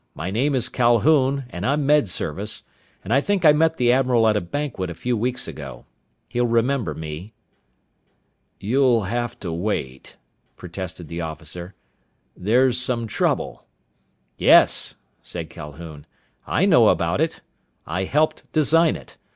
My name is Calhoun and I'm Med Service, and I think I met the admiral at a banquet a few weeks ago. He'll remember me." "You'll have to wait," protested the officer. "There's some trouble " "Yes," said Calhoun. "I know about it. I helped design it.